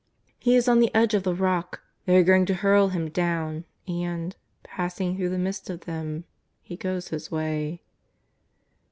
He is on the edge of the rock, they are going to hurl Him down, and — passing through the midst of them He goes His way.